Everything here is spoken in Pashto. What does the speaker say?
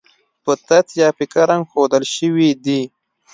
په تت یا پیکه رنګ ښودل شوي دي.